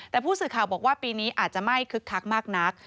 แต่ผู้สื่อข่าวบอกว่าปีนี้อาจจะไม่คึกคักมากนัก